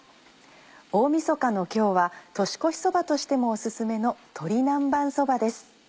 大みそかの今日は年越しそばとしてもお薦めの「鶏南蛮そば」です。